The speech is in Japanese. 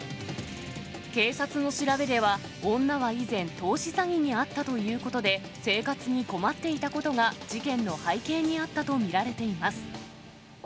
警察の調べでは、女は以前、投資詐欺に遭ったということで、生活に困っていたことが事件の背景にあったと見られています。